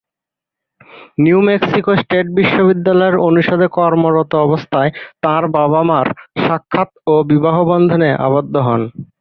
New Mexico State বিশ্ববিদ্যালয়ে অনুষদে কর্মরত অবস্থায় তাঁর বাবা-মা'র সাক্ষাত ও বিবাহবন্ধনে আবদ্ধ হন।